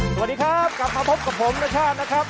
สวัสดีครับกลับมาพบกับผมนชาตินะครับ